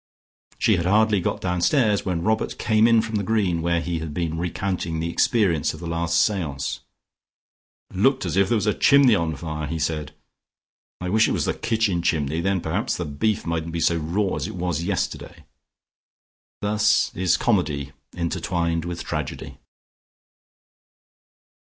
She had hardly got downstairs when Robert came in from the Green, where he had been recounting the experiences of the last seance. "Looked as if there was a chimney on fire," he said. "I wish it was the kitchen chimney. Then perhaps the beef mightn't be so raw as it was yesterday." Thus is comedy intertwined with tragedy!